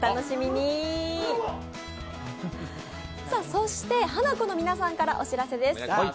そしてハナコの皆さんからお知らせです。